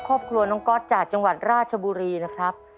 ครอบครัวน้องก๊อตจากจังหวัดราชบุรีนะครับ